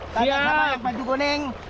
tandang sama yang maju kuning